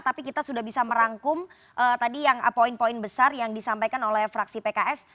tapi kita sudah bisa merangkum tadi yang poin poin besar yang disampaikan oleh fraksi pks